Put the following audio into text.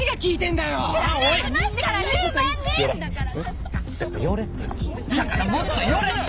だからもっと寄れって！